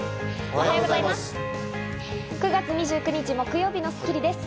おはようございます。